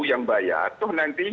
yang bayar atau nanti